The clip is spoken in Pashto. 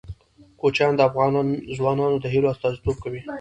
کوچیان د افغان ځوانانو د هیلو استازیتوب کوي.